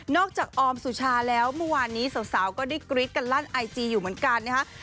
อกจากออมสุชาแล้วเมื่อวานนี้สาวก็ได้กรี๊ดกันลั่นไอจีอยู่เหมือนกันนะฮะ